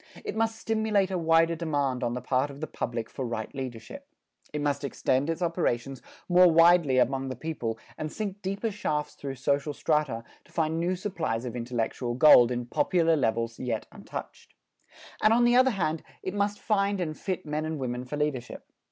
It must stimulate a wider demand on the part of the public for right leadership. It must extend its operations more widely among the people and sink deeper shafts through social strata to find new supplies of intellectual gold in popular levels yet untouched. And on the other hand, it must find and fit men and women for leadership.